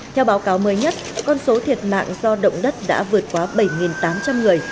theo báo cáo mới nhất con số thiệt mạng do động đất đã vượt quá bảy tám trăm linh người